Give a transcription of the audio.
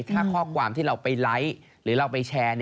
ถ้าข้อความที่เราไปไลค์หรือเราไปแชร์